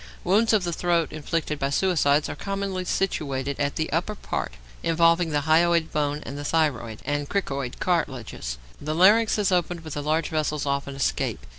Wounds of the throat inflicted by suicides are commonly situated at the upper part, involving the hyoid bone and the thyroid and cricoid cartilages. The larynx is opened, but the large vessels often escape.